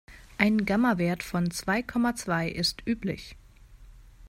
Ein Gamma-Wert von zwei Komma zwei ist üblich.